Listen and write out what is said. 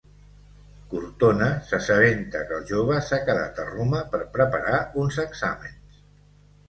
Cortona s'assabenta que el jove s'ha quedat a Roma per preparar uns exàmens.